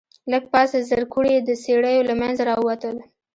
لږ پاس زرکوړي د څېړيو له منځه راووتل.